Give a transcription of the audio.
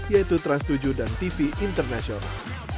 yaitu trans tujuh dan tv internasional